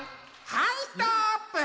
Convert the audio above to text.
はいストップ！